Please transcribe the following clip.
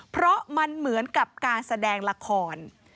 เพราะมันเหมือนกับการแสดงละคร